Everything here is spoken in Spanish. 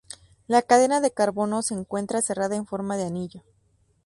La cadena de carbonos se encuentra cerrada en forma de anillo.